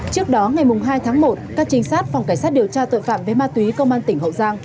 trước đó ngày hai tháng một các trinh sát phòng cảnh sát điều tra tội phạm với ma túy công an tỉnh hậu giang